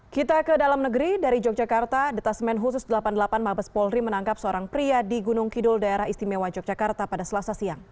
kita ke dalam negeri dari yogyakarta detasmen khusus delapan puluh delapan mabes polri menangkap seorang pria di gunung kidul daerah istimewa yogyakarta pada selasa siang